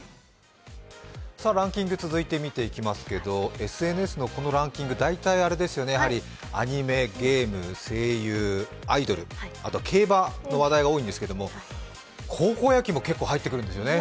ランキング、続いて見ていきますけどＳＮＳのこのランキング、大体あれですよね、アニメ、ゲーム、声優、アイドル、あと競馬の話題が多いんですけど高校野球も結構入ってくるんですよね。